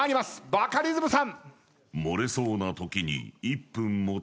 バカリズムさん。